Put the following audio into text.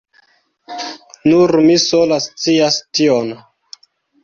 Nur mi sola scias tion.